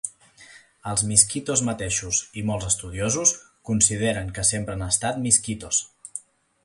Els miskitos mateixos i molts estudiosos consideren que sempre han estat miskitos.